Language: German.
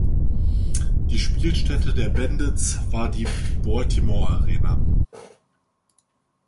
Die Spielstätte der Bandits war die Baltimore Arena.